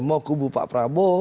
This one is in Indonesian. mau kubu pak prabowo